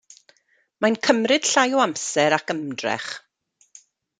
Mae'n cymryd llai o amser ac ymdrech.